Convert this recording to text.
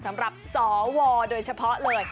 สำหรับสวโดยเฉพาะเลย